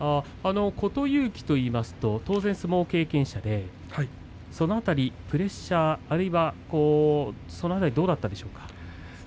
琴勇輝と言いますと当然、相撲経験者でその辺り、プレッシャーあるいは何かありましたか？